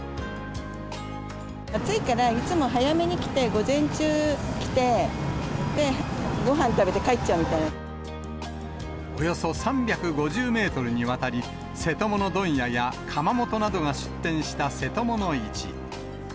暑いから、いつも早めに来て、午前中来て、およそ３５０メートルにわたり、瀬戸物問屋や窯元などが出店したせともの市。